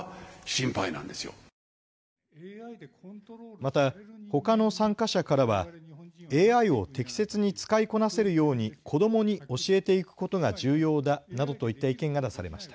またほかの参加者からはＡＩを適切に使いこなせるように子どもに教えていくことが重要だなどといった意見が出されました。